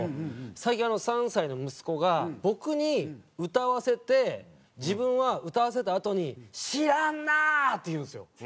最近３歳の息子が僕に歌わせて自分は歌わせたあとに「知らんなあ！」って言うんですよ。